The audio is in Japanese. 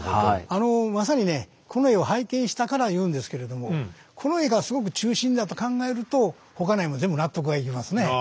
あのまさにねこの絵を拝見したから言うんですけれどもこの絵がすごく中心だと考えると他の絵も全部納得がいきますね。